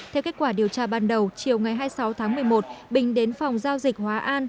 theo kết quả điều tra ban đầu chiều ngày hai mươi sáu tháng một mươi một bình đến phòng giao dịch hóa an